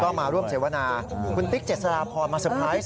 ก็มาร่วมเสียวนาคุณติ๊กเจ็ดสาดาพรมาสรรพายส์